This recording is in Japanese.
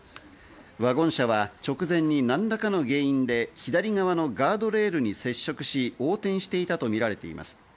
ワゴン車は直前に何らかの原因で左側のガードレールに接触し、横転していたとみられています。